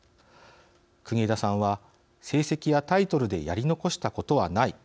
国枝さんは「成績やタイトルでやり残したことはない。